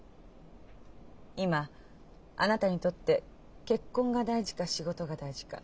今あなたにとって結婚が大事か仕事が大事か。